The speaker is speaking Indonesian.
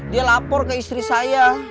dia lapor ke istri saya